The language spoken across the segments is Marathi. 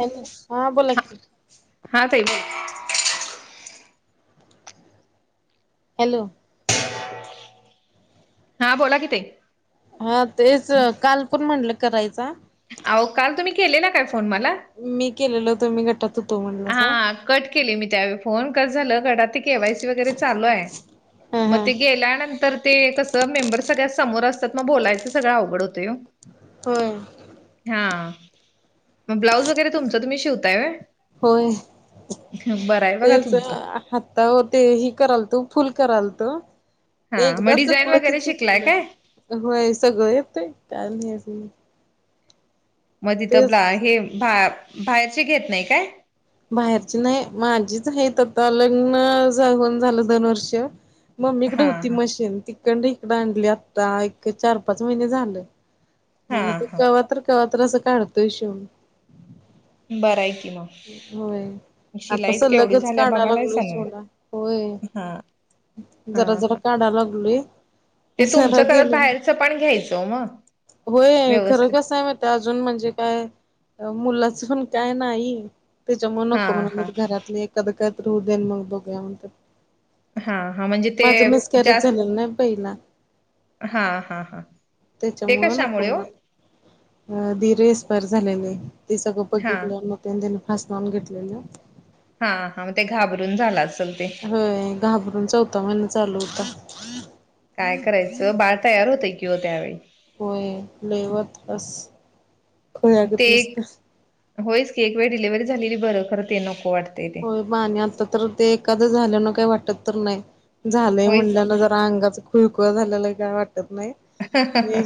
हॅलो, हा बोला की हा ताई. हॅलो. हा बोला कि ताई. हा तेच काल पण म्हटलं करायचा. आहो काल तुम्ही केले ला काय फोन मला? मी केलेलं होतो मी गटात होतो म्हणून. हा कट केले मी त्यावेळी फोन, कस झालं गटातील आता केवायसी वगैरे चालू आहे. हा मग हा ते गेल्यानंतर ते कसं मेंबर सगळ्या समोर असतात ना, मग बोलायचं सगळं अवघड होतंय ओ. होय. हा, मग ब्लाऊज वगैरे तुमचं तुम्ही शिवताय व्हय? होय, बरं आहे बघा तेच तुमचं हा आहो ते ही करायल तो, फुल करायल तो, हा मग एकदा डिझाईन चुकलं की वगैरे शिकलाय चुकलं. काय होय सगळं येतय, काय नाही येत नाही. म [unintelligible] तथंबला हे बाहेरचे घेत नाही काय? बाहेरची नाही माझीच आहे. आता लग्न होऊन झालं दोन वर्ष. मम्मीकडे हा होती हा मशीन, तिकंडन इकडं आणली, आता एक चार -पाच महिने झालं. मग हा ते हा कवातर कवा तर असं काढतो ह शिवून. बरंय की मग. होय, आता शिलाईच केवढी सलगच झाल्या काढा लागलोय बघालायसा नव्हे शिऊन, होय- हा हा जरा जरा हा काढा लागलोय. ते सर्व तुमचं करत केलंय, बाहेरचं पण घ्यायचं मग होय खरं व्यवस्थित कस आहे म ते अजून म्हणजे काय, मुलाचं पण काय नाही. त्याच्यामुळे हा नको म्हणत हा होते. घरातले एखादा काहीतरी होऊ द्या मग बघूया म्हणत होते. हा हा म्हणजे ते माझं मिसकॅरेज जास्त झालेलं ना पहिला. हा हा हा,, ते कशामुळे हो? दिर एक्सपायर झालेले. ते सगळं हा बघितलं मग फास लावून घेतलेलं. हा, हा, मग ते घाबरून झाल असेल. ते होय घाबरून, चौथा महिने चालू होता. काय करायचं, बाळ तयार होतंय कि हो त्यावेळी. होय लेवत [unintelligible] असस ते खयगत एक नसत होयच की, एक वेळ डिललेव्हरी झालेली बरं, खरं ते नको वाटते. आणि आता तर ते एखादं झाल्यान काही वाटत तर नाही. झालंय म्हणल्या होयच जर अंगाच खुळखुळा झालेला काय वाटत नाही. हे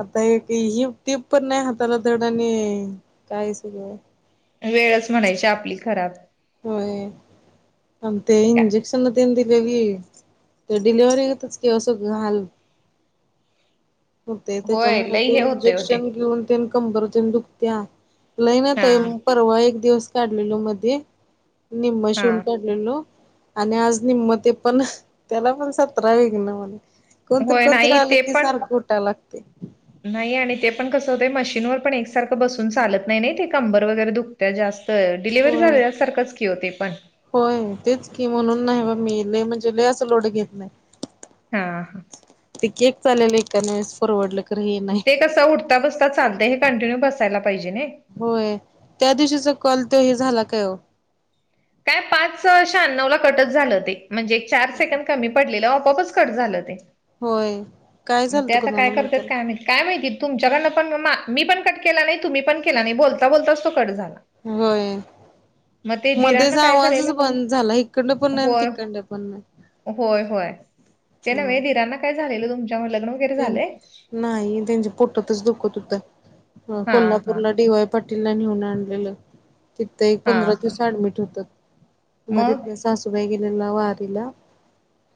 आता एक हि [unintelligible] टीप पण नाही हाताला थोडा आणि काय सगय वेळच म्हणायची आपली खराब. होय, आ ते काय इंजेक्शन तेन दिलेली. ते डिलिव्हरीतच क असं हाल होते, होय त्याच्यामुळे लई ते हे होते होते इंजेक्शन घेऊन कंबरते दुखत्या, लयनाय हा ताई परवा एक दिवस काढलेल मध्ये, निम्म हा शून का हॅलो, आणि आज निम ते पण, त्याला पण सतरा विघ्न मणे. कोणतरी होय -कोणतरी नाही आलं ते की पण सारखं उठाय लागते. नाही आणि ते पण कसं होतं, मशीनवर पण एकसारखं बसून चालत नाही. ते कंबर वगैरे दुखत जास्त. डिलेवरी होय झाले सारखंच की होते पण. होय तेच की, म्हणून नाही बग मी लय म्हणजे लय असं लोड घेत नाही. हा. ते केक चालेल एका नस. फरवडल खरं हे. नाही. ते कसं उठता- बसता चालतय, हे कंटिन्यू बसायला पाहिजे नी. होय, त्या दिवशीचा कॉल तो हे झाला काय वो. पाच श्याण्णवला कटच झालं ते म्हणजे एक चार सेकंड कमी पडलेलं आपोआपच कट झालं ते. होय काय मग ते झालतं आता काय कुणाला माहित करतात त्याला काय माहित? काय माहिती तुमच्याकडनं पण मी पण कट केला नाही तुम्ही पण केला नाही बोलता बोलताच तो कट झाला. होय मग ते मध्येच दिरांना काय आवाजच झालेलं बंद झाला इकडनं पण नाही आणि होय तिकडनं पण नाही होय होय ते नव्हे हम्म दिरांना काय झालेलं तुमच्या म लग्न वगैरे झालंय नाही त्यांची पोटतच दुखत होतं हा हा कोल्हापूरला डी वाय पाटीलला नेऊन आणलेलं तिथं एक पंधरा हां, हां. दिवस ऍडमिट होतंत मग? मध्ये सासूबाई गेलेल्या वारीला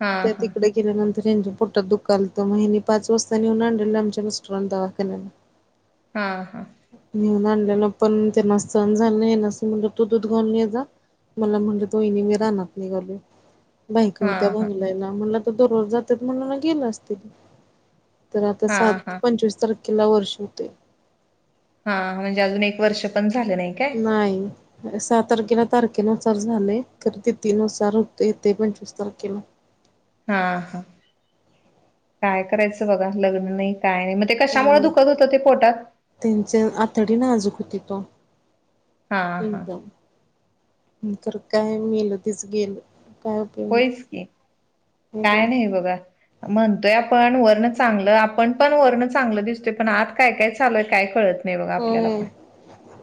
हां, त्या हां. तिकडं नंतर यांच्या पोटात दुखालतं मग हेनी पाच वाजता नेऊन आणलेलं आमच्या मिस्टरांनी दवाखान्यात. हा हा नेऊन आणलेलं पण त्यांना सहन झालं नाही हेनासनी म्हटलं तू दूध घालून ये जा मला म्हणल वाहिनी मी रानात निघालोय. बायका होत्या हां, हां. भांगलायला म्हणलं आता दररोज जातात म्हणून गेलं असतील. तर आता, हां, सात हां. पंचवीस तारखेला वर्ष हुतंय. हा म्हणजे अजून एक वर्ष पण झालं नाही. काय? नाही. सहा तारखेला तारखेनुसार झालय, खरं तिथीनुसार हुतय ते पंचवीस तारखेला. हा, हा काय करायचं बघा, लग्न नाही काय नाही म ते कशामुळ दुखत होतं ते पोटात. तेनच आतडी नाजूक होतीत वो हां, हां. एकदम. नाहीतर काय मेल तेच गेलं. काय उपयोग होईच नाही की, हाय की काय नाही बघा. म्हणतोय आपण वरन चांगलं, आपण पण वरन चांगलं दिसतोय पण आत काय -काय चालूय काय कळत नाही बघा आपल्याला होय पण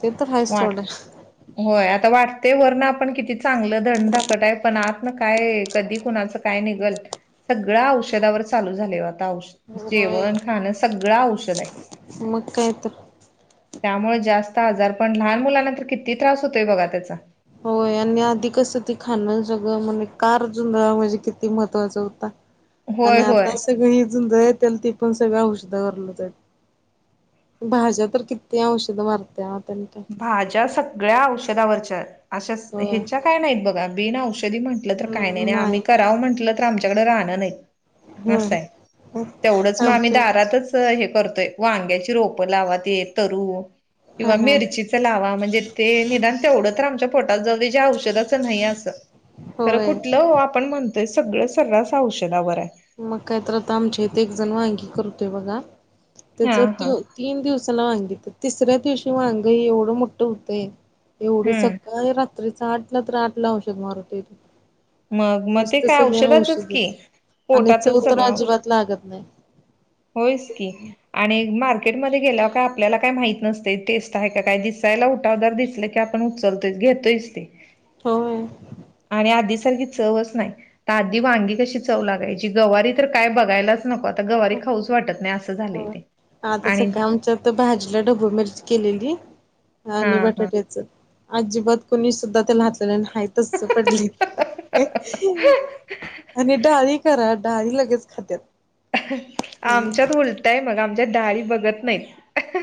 ते तर हायच वाट सोडा होय, आता वाटतंय वरण आपण किती चांगलं धड-धाकट आहे पण आत काय कधी, कुणाच काय निघल. सगळं औषधावर चालू झाले आता औष होय जेवण -खाणं सगळं औषध हाय. मग काय तर त्यामुळे जास्त आजार पण, लहान मुलांनां तर किती त्रास होतोय बघा त्याचा. होय आणि आधी कसं ते खाण सगळं म्हणजे कार जुंधळा म्हणजे किती महत्त्वाचा होता. आणि होय होय आता सगळं जुंधळ येत्याल, ती पण सगळं औषधवरलंच हाईत. भाज्या तर किती औषधं मरात्यात आणि काय. भाज्या सगळ्या औषधावरच्या, अशा होय. हेच्या काय नाहीत बघा बिन औषधी म्हण म्हटल तर काही नाही आणि आम्ही करावं म्हटलं तर आमच्याकडे रान नाहीत. होय असं हाय, तेवढंच मग आम्ही आमच्या दारातच करतोय, वांग्याची रोप लावा ते तरु किंवा हा हा मिर चीच लावा म्हणजे ते निधान तेवढं तर आमच्यात पोटात जाऊदे जे औषधच नाही अस, खर होय. कुठलं ओ आपण म्हण तोय सगळं सर्रास औषधावर आहे. मग काय तर आता आमच्या इथे एक जण वांगी करतोय बघा हा तेच तो हा तीन दिवस ला वांगित तिसऱ्या दिवशी वांग एवढं मोठं होतंय एवढी हम्म सकाळी रात्रीच आठला तर आठला औषध मरतोय मग तो मग ते नसत काय सगळ औषधाचच की औषधच. आणि चव पोटातच तर अजिबात लागत नाही. होय च की. आणि मार्केटमध्ये गेल्यावर आपल्याला काय माहित नसते टेस्ट आहे का काय दिसायला उठाव दार दिसल की आपण उचलतोय घेतोयच ते. होय. आणि आधी सारखी चवच न्हाय तर आधी वांगी कशी चव लागायची गवारी तर काय बघायलाच नको आता गवारी खाऊ च वाटत नाही अस हो आता सकाळी आमच्यात भाजीला ढबू मिरच केलेली. हा आणि हा. बटाट्याच अजिबात कुणी सुद्धा त्याला हात कारण हाय तस पडलय ते आणि डाळी करा डाळी लगेच खातात. आमच्यात उलटय बघा आमच्यात डाळी बघत नाहीत.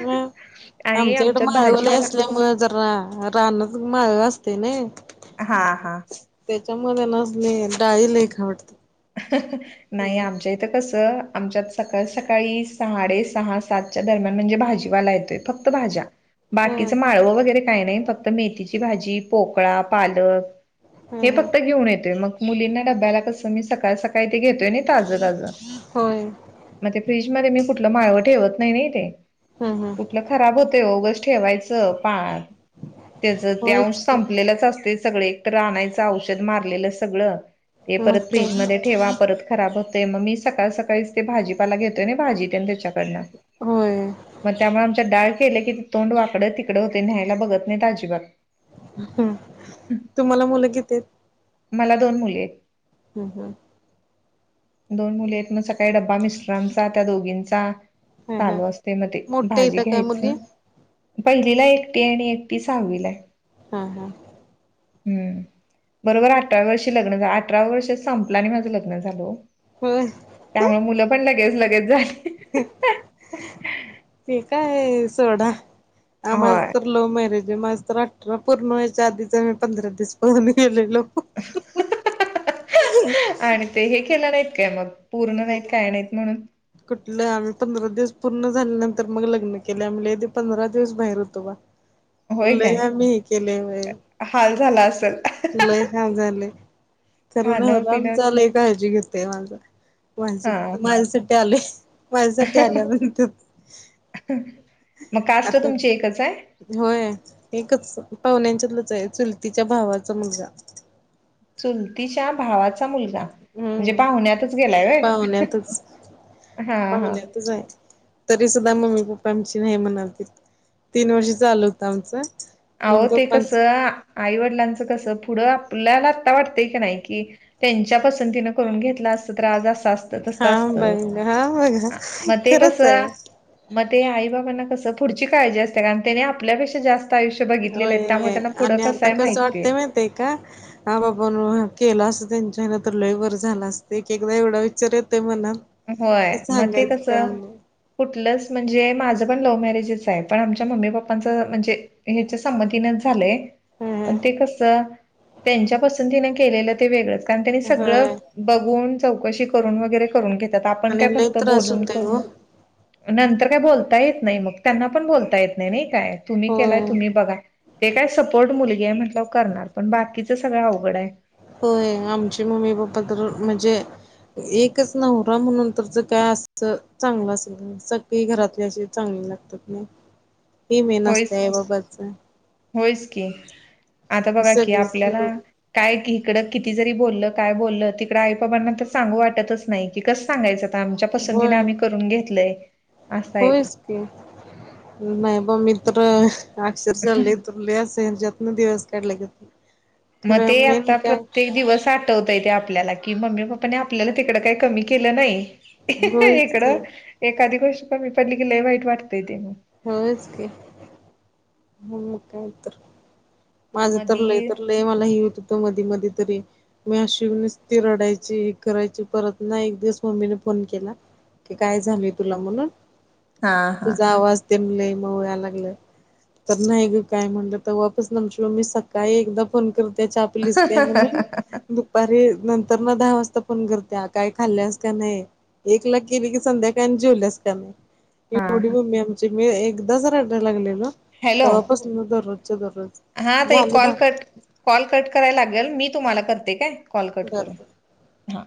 हम्म आणि आमच्याहिकडं आमच्यात माळव भाजीवाला असल्यामुळ जरा रानात माळव असतय नी हा हा. त्याच्यामध्ये ना डाळी लय खाव वाटतात. नाही हम्म आमच्या ई इथ कस आमच्यात सकाळी सकाळी साडे सहा सातच्या दरम्यान म्हणजे भाजीवाला येतोय. फक्त भाज्या. बाकीचं माळवं वगैरे काही नाही फक्त मेथीची भाजी, पोकळा, पालक. हे हम्म फक्त घेऊन येतोय मग मुलींना डब्याला कस मी सकाळ सकाळी ते घेतोय नी. ताज ताज होय मग ते फ्रीज मध्ये मी कुठलं माळव ठेवत नाही नी ते. हम्म हम्म कुठलं खराब होतंय ओ उगाच ठेवायचं पा त्याच ते अंश होयच की संपलेलंच असते सगळे. एकतर आणायचं औषध मारलेलं सगळ ते मग परत काय फ्रीज मधे तर ठेवा पर परत खराब होतय मग मी सकाळ सकाळीच ते भाजीपाला घेतोय आणि भाजीे तेन त्याच्याकडन. होय. मग त्यामुळे आमच्यात डाळ केले की तोंड वाकडं तिकडं होतय न्यायला बघत नाही अजिबात. ह तुम्हाला मुलं किती आहेत? मला दोन मुली आहेत. हम् हम. दोन मुली आहेत मग सकाळी डब्बा मिस्टरांचा त्या दोघींचा. हम्म हम्म चालू असतय मग ते मोठ्या भाजी हायता काय मुली? घ्यायचं. पहिलीला एकटी आहे आणि एकटी सहावीला हाय. हम हम्म. हम् बरोबर अठराव्या वर्षी लग्न झा अठराव वर्ष संपलं आणि माझं लग्न झालं ओ. होज त्यामुळ मुलं पण लगेच लगेच झाली. हम्म होय का सोडा माझं होय तर लव्ह मॅरेज माझ तर अठरा पूर्ण व्हायच्या आधीचा आम्ही पंधरा दिवस पळून गेलेलो. आणि ते हे केलं नाहीत काय मग पूर्ण नाहीत काय नाहीत म्हणून. कुठलं आम्ही पंधरा दिवस पूर्ण झाल्यानंतर मग लग्न केलं नाहीतर पंधरा दिवस बाहेर होतो बा. होय [unintelligible] लय काय आम्ही हे केलोय, हाल झाला असेल लय हाल झालंय. तरी खाणं नवरा आमचा पिणंच लई काळजी घेतोय माझा. हा माझे हा माझ्यासाठी आलोय माझ्यासाठी आल्या म्हणतोय. मग काष्ट आता तुमची एकच हाय. होय एकच पाहुण्यांच्यातलच हाय चुलतीच्या भावाचा मुलगा. चुलतीच्या भावा च मुलगा म्हणजे हम्म पाहुण्यातच गेलाय होय पाहुण्यातच हा हा. [unintelligible] तरी सुद्धा मम्मी पप्पा आमची नाही म्हणालतीत तीन वर्ष चालू होतं आमचं. आहो मम्मी ते पप्पांच कसं आईवडिलांचं कस पुढं आपल्याला आत्ता वाटतय कनाय की त्यांच्या पसंतीन करून घेतल असत तर आज अस तस हा असत बघ हा बघा मग ते खरंच आहे. कसं. मग ते आई बाबांना कस पुढची काळजी असते ना आणि त्यांनी आपल्यापेक्षा जास्त आयुष्य बघितलेलं हाईत होय त्यामुळे त्यांना पुढं कसय माहितय. ते का हा बापण केला असं त्यांच्या हे न तर लई बर झाल असत एक एकदा एवढा विचार येतोय मनात. होय कि मग ते सांगायचं कस काम नाही कुठलंच म्हणजे माझं पण लव्ह मॅरेजच आहे पण आमच्या मम्मी पप्पांचं म्हणजे हेच्या संमतीनेच झालंय. पण ते ह कस त्यांच्यापसंतीनं केलेलं ते वेगळंच कारण त्यांनी सगळं होय. बघून चौकशी करून वगैरे करून घेतात आपण आणि काय लय फक्त त्रास बोलून होतोय ओ करून. नंतर काय बोलता येत नाही मग त्यांना पण बोलता येत नाही नाही काय तुम्ही केलाय होय. तुम्ही बघा. ते काय सपोर्ट मुलगी आहे म्हटल करणार पण बाकीचं सगळं अवघड आहे. हो आमचे मम्मी पप्पा तर म्हणजे. एकच नवरा म्हणून तर ज काय असं चांगलं असेल सगळी घरातले अशी चांगली लागतात नाही हे मे नसते होयच आहे की बाबाच. होयच की आता बघा की सगळेच आपल्याला काय क इिकडं किती जरी बोललं काय बोललं तिकड आई बाबांना तर सांगू वाटतच नाही. तिकस सांगायचं आता आमच्या पसंतीने होय. आम्ही करून घेतलंय असं आहे ते. होयच नाही ब मी तर अक्षरशलले तुले सर जतन दिवस काढले के मग ते आता प्रत्य ते दिवस आठवताय ते आपल्याला कि मम्मी पप्पाने आपल्याला तिकड काही कमी केलं नाही. होयच की इकडं एखादी गोष्ट कमी पडली की लई वाईट वाटतय ते मग. होच का. मग काय तर माझं तर लय मधी तर लय मला हि हो त होत मधी मधी तरी. मी अशीच ती रडायची ह करायची परत ना एक दिवस मम्मीने फोन केला. कि काय? झाल तुला म्हणून हा हा तुझा आवाज तेल म वया लागलं. तर नाही ग काय म्हणलं तर वापस नमची मम्मी सकाळी एकदा फोन करते. पलीस घ्या म्हणूनु दुपारी नंतर ना दहा वाजता फोन करत्या काय खाल्ल्यास का नाही. एक ला केली की संध्याकाळ जेवल्यास का? म एवढी हा मम्मी आमची मी एकदाच रड लागलेल. हॅलो तेव्हापास दररोजच्या हा दररोज ताई झालं call the cut call cut करायला लागेल मी तुम्हाला करते काय कॉल कट बर बर. करून हा.